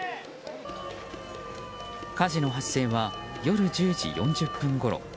火事の発生は夜１０時４０分ごろ。